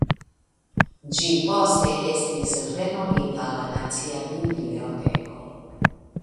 Ĝi poste estis renomita la Nacia Biblioteko.